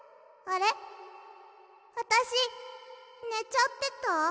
あたしねちゃってた？